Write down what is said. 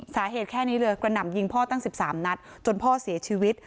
สาเหตุแค่นี้เลยกระหน่ำยิงพ่อตั้ง๑๓นัดจนพ่อเสียชีวิต